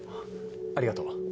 ありがとう。